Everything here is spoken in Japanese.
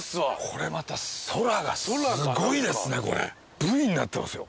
これまた空がすごいですねこれ。